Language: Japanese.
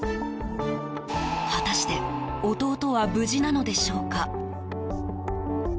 果たして弟は無事なのでしょうか？